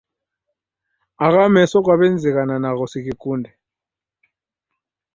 Agho meso kwaw'enizighana nagho sighikunde